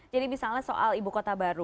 jadi misalnya soal ibukota baru